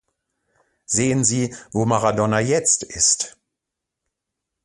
Sehen Sie, wo Maradona jetzt ist.